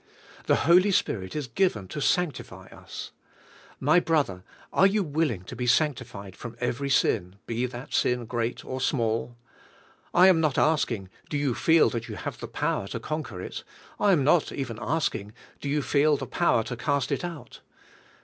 The Holy Spirit is given to sanctify us. My brother, are you willing to be sanctified from every sin, be that sin great or small? I am not asking, do you feel that you have the power to conquer it? I am not even asking, do you feel the power to cast it out?